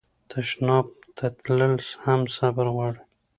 تشناب ته تلل هم صبر غواړي.